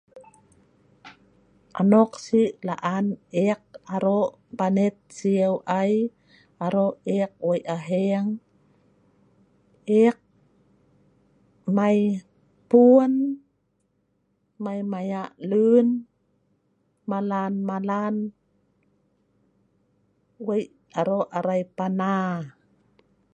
anok sik la'an ek arok panet siu ai arok ek weik aheng ek mei pun mei mayak lun malan-malan weik arok arai pana